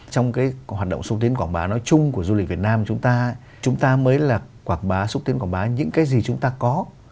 trong cái hoạt động xúc tiến quảng bá nói chung của du lịch việt nam chúng ta chúng ta mới là quảng bá xúc tiến quảng bá những cái gì chúng ta có